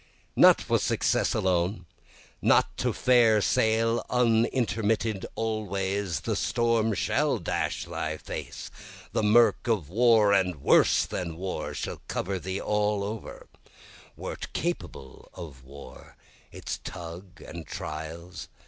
Not for success alone, Not to fair sail unintermitted always, The storm shall dash thy face, the murk of war and worse than war shall cover thee all over, (Wert capable of war, its tug and trials?